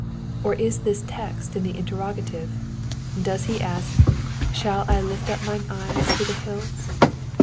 Or is the text in the interrogative ? Does he ask, Shall I lift up mine eyes to the hills